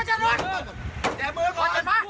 ขอเจอพระ